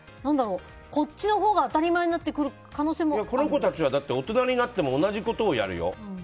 こっちのほうが当たり前にこの子たちは大人になっても同じことをやるよ。